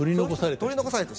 取り残された人。